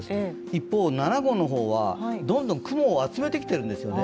一方、７号はどんどん雲を集めてきているんですよね。